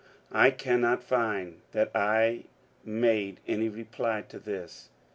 I cannot find that I made any reply to this.